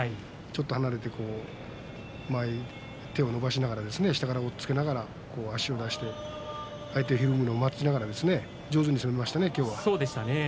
ちょっと離れて手を伸ばしながら、下から押っつけながら足を出して相手がひるむの待ちながら上手に攻めましたね。